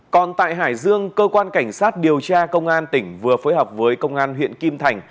còn tại hải dương cơ quan cảnh sát điều tra công an tỉnh vừa phối hợp với công an huyện kim thành